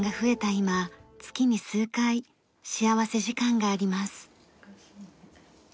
今月に数回幸福時間があります。